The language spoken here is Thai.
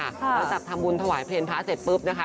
หลังจากทำบุญถวายเพลงพระเสร็จปุ๊บนะคะ